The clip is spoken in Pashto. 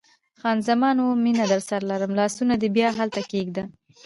خان زمان: اوه، مینه درسره لرم، لاسونه دې بیا هلته کښېږده.